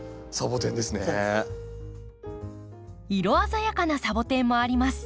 色鮮やかなサボテンもあります。